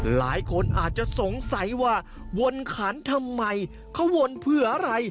หลายคนอาจจะสงสัยว่าวนขันทำไมเขาวนเพื่ออะไร